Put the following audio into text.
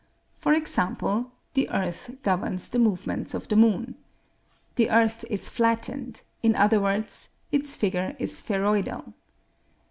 For example, the earth governs the movements of the moon. The earth is flattened; in other words, its figure is spheroidal.